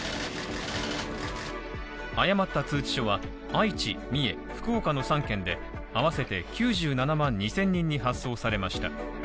誤った通知書は、愛知、三重、福岡の３県で合わせて９７万２０００人に発送されました。